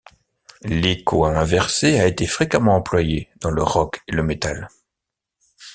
L'écho inversé a été fréquemment employé dans le rock et le metal.